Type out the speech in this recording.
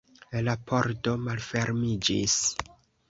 La pordo malfermiĝis.